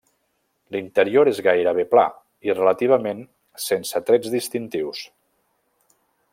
L'interior és gairebé pla i relativament sense trets distintius.